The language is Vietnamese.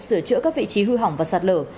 sửa chữa các vị trí hư hỏng và sạt lở